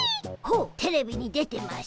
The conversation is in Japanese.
ほうテレビに出てましゅ？